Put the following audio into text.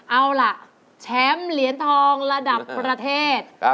เอาล่ะแชมป์เหรียญทองระดับประเทศ